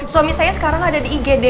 suami saya sekarang ada di igd